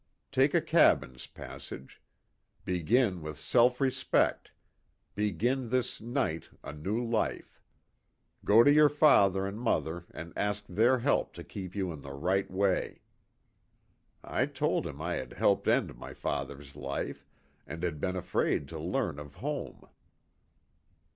Take a cabin's passage. Begin with self respect. Begin this night a new life. Go to your father and mother and ask their help to keep you in the right way.' "I told him I had helped end my father's life, and had been afraid to learn of home.